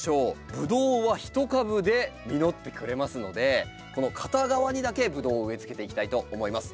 ブドウは一株で実ってくれますのでこの片側にだけブドウを植え付けていきたいと思います。